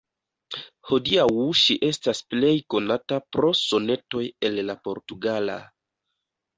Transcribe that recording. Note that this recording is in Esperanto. Hodiaŭ ŝi estas plej konata pro "Sonetoj el la Portugala".